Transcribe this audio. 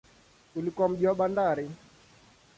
Ulikuwa mji wa bandari.